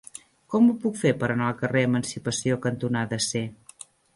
Com ho puc fer per anar al carrer Emancipació cantonada C?